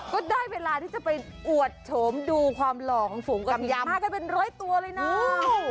ก็ได้เวลาที่จะไปอวดโฉมดูความหล่อของฝูงกับยามากันเป็นร้อยตัวเลยนะ